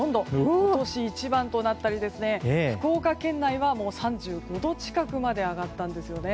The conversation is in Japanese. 今年一番となったり福岡県内は３５度近くまで上がったんですよね。